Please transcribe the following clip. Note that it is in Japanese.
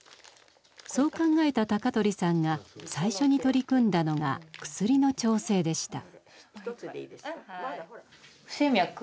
そう考えた高取さんが最初に取り組んだのが薬の調整でした。